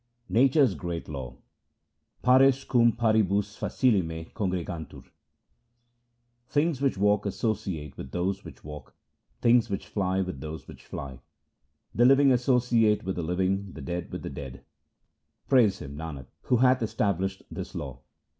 Nature's great law, Pares cum paribus facillime congre gantur :— Things which walk associate with those which walk, things which fly with those which fly, The living associate with the living, the dead with the dead ; Praise Him, Nanak, who hath established this law.